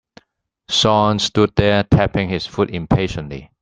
Sean stood there tapping his foot impatiently.